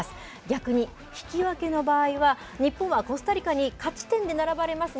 逆に、引き分けの場合は、日本はコスタリカに勝ち点で並ばれます